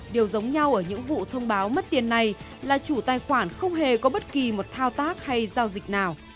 điều giống nhau ở những vụ thông báo mất tiền này là chủ tài khoản không hề có bất kỳ một thao tác hay giao dịch nào